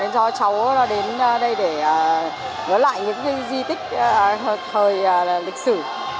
cho cháu đến đây để nói lại những di tích thời lịch sử